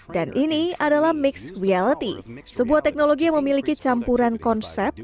dan ini adalah mixed reality sebuah teknologi yang memiliki campuran konsep